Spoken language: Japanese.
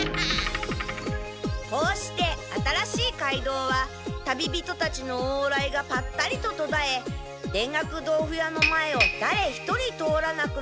こうして新しい街道は旅人たちのおう来がパッタリととだえ田楽豆腐屋の前をだれひとり通らなくなりましたとさ。